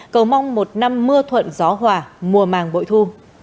cầu mong một năm mưa thuận gió hòa mùa màng bội thu